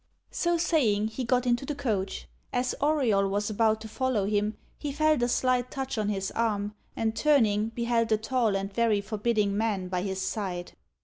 So saying, he got into the coach. As Auriol was about to follow him, he felt a slight touch on his arm, and, turning, beheld a tall and very forbidding man by his side.